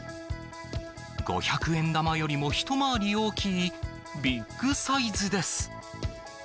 五百円玉よりも一回り大きいビッグサイズです。